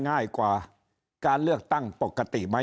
ยิ่งอาจจะมีคนเกณฑ์ไปลงเลือกตั้งล่วงหน้ากันเยอะไปหมดแบบนี้